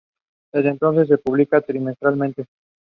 There are four national camps each year.